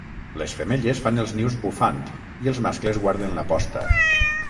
Les femelles fan els nius bufant i els mascles guarden la posta.